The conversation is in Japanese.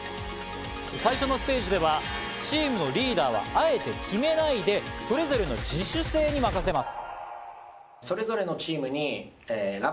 最初のステージではチームのリーダーはあえて決めないで、それぞれの自主性に任せます。